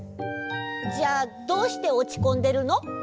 じゃあどうしておちこんでるの？